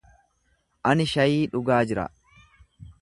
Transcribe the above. Ani shaayii dhugaa jira.